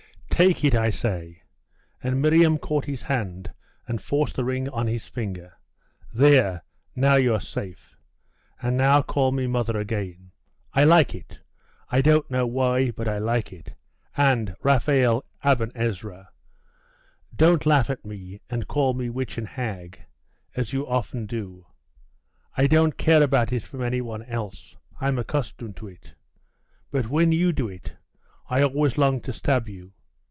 'Take it, I say!' and Miriam caught his hand, and forced the ring on his finger. 'There! Now you're safe. And now call me mother again. I like it. I don't know why, but I like it. And Raphael Aben Ezra don't laugh at me, and call me witch and hag, as you often do. I don't care about it from any one else; I'm accustomed to it. But when you do it, I always long to stab you.